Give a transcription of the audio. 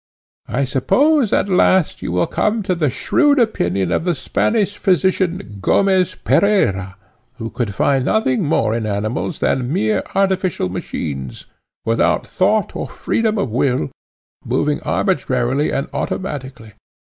I suppose, at last, you will come to the shrewd opinion of the Spanish physician, Gomez Pereira, who could find nothing more in animals than mere artificial machines, without thought or freedom of will, moving arbitrarily and automatically.